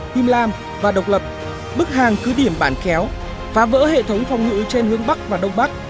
him lam và độc lập bức hàng cứ điểm bản kéo phá vỡ hệ thống phòng ngự trên hướng bắc và đông bắc